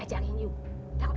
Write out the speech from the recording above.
kayak aja yang ini yu takut